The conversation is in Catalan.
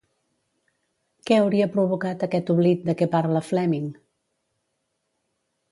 Què hauria provocat aquest oblit de què parla Fleming?